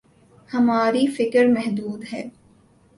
ہماری فکر محدود ہے۔